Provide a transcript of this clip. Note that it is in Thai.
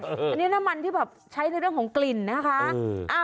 อันนี้น้ำมันที่แบบใช้ในเรื่องของกลิ่นนะคะ